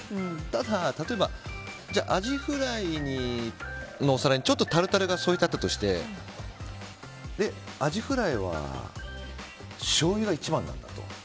ただ、例えばじゃあアジフライのお皿にちょっとタルタルが添えてあったとしてアジフライはしょうゆが一番なんだと。